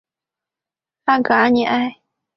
拉戈阿尼埃。